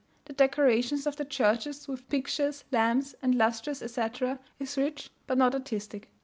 The decorations of the churches with pictures, lamps, and lustres, etc., is rich but not artistic.